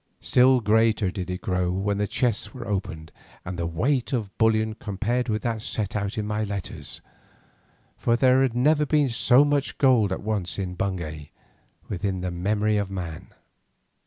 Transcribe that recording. Still greater did it grow when the chests were opened and the weight of bullion compared with that set out in my letters, for there had never been so much gold at once in Bungay within the memory of man.